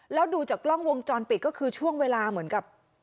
แล้วดูจากกล้องวงจรปิดก็คือช่วงเวลาเหมือนกับ